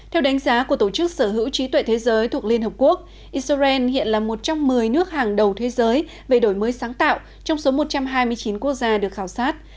theo đánh giá của tổ chức sở hữu trí tuệ thế giới thuộc liên hợp quốc israel hiện là một trong một mươi nước hàng đầu thế giới về đổi mới sáng tạo trong số một trăm hai mươi chín quốc gia được khảo sát